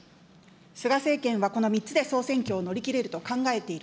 菅政権はこの３つで総選挙を乗り切れると考えている。